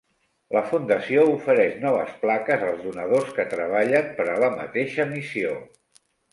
La fundació ofereix noves plaques als donadors que treballen per a la mateixa missió.